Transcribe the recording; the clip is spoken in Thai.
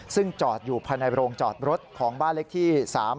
ซึ่งจอดอยู่ภายในโรงจอดรถของบ้านเล็กที่๓๔